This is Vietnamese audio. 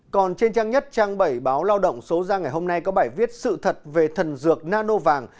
còn trên trang nhất trang bảy báo lao động số ra ngày hôm nay có bài viết sự thật về thần dược nano vàng